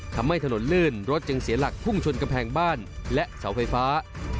ทำให้ถนนลื่นรถจึงเสียหลักพุ่งชนกำแพงบ้านและเสาไฟฟ้า